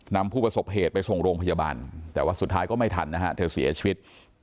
นำผู้ประสบเหตุไปทรงโรงพยาบาลแต่สุดท้ายก็ไม่ทันนะฮะแทะเศษชีวิต